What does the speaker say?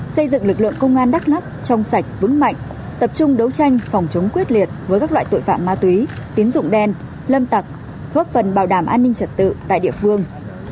xây dựng lực lượng công an đắk lắc trong sạch vững mạnh tập trung đấu tranh phòng chống quyết liệt với các loại tội phạm ma túy tín dụng đen lâm tặc góp phần bảo đảm an ninh trật tự tại địa phương